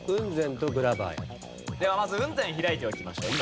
ではまず雲仙開いておきましょう。